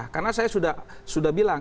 karena saya sudah bilang